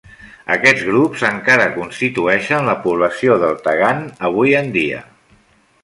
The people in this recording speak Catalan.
Aquests grups encara constitueixen la població del Tagant avui en dia.